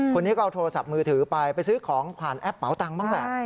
คนนี้ก็เอาโทรศัพท์มือถือไปไปซื้อของผ่านแอปเป๋าตังค์บ้างแหละ